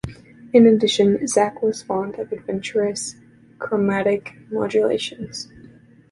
In addition, Zach was fond of adventurous chromatic modulations.